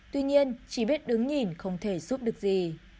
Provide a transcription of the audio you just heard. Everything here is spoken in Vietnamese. tuy nhiên chỉ biết đứng nhìn không thể giúp được gì